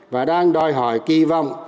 và đang đòi hỏi kỳ vọng